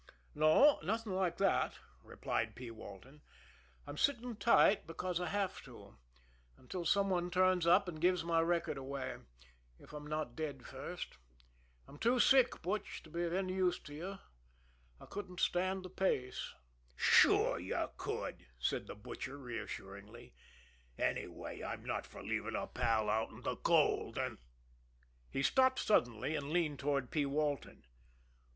"No; nothing like that," replied P. Walton. "I'm sitting tight because I have to until some one turns up and gives my record away if I'm not dead first. I'm too sick, Butch, to be any use to you I couldn't stand the pace." "Sure, you could," said the Butcher reassuringly. "Anyway, I'm not fer leavin' a pal out in de cold, an' " He stopped suddenly, and leaned toward P. Walton.